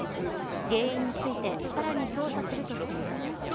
原因についてさらに調査するとしています。